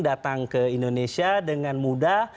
datang ke indonesia dengan mudah